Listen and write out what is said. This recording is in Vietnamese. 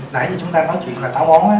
nãy giờ chúng ta nói chuyện là táo bón á